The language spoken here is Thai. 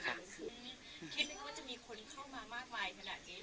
คิดไหมคะว่าจะมีคนเข้ามามากมายขนาดนี้